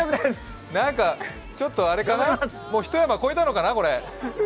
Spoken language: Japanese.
何かちょっとあれかな、一山こえたかな？